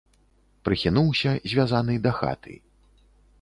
Прыхінуўся, звязаны, да хаты.